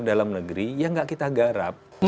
pr dalam negeri yang tidak kita garap